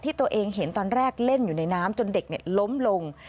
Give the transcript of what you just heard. ตัวเองเห็นตอนแรกเล่นอยู่ในน้ำจนเด็กล้มลง